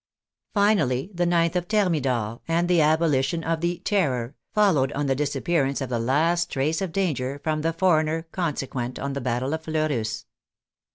Finally, the 9th of Thermidor, and the abolition of the '* Terror," followed on the disap pearance of the last trace of danger from the foreigner consequent on the battle of Fleurus.